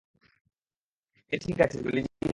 এটা ঠিক আছে, জোলি জি।